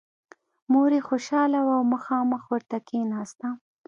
مور یې خوشحاله وه او مخامخ ورته کېناسته